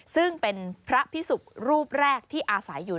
ซึ่งเป็นพระพิสุกรูปแรกที่อาศัยอยู่